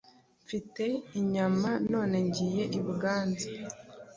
mfite inyama, none ngiye i buganza